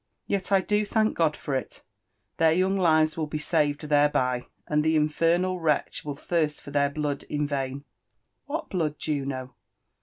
Yet I do thank fiod for it. Their young Itv^ will be saved thereby^ and the infernal wreteh wilt Ihirill for their blood rn vain/' '• What blood, Juno?